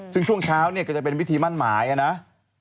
ซึ่งช่วงเช้าเนี่ยก็จะเป็นพิธีมั่นหมายนะ